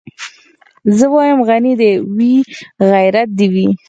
زه وايم غني دي وي غيرت دي وي